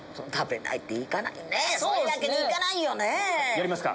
やりますか？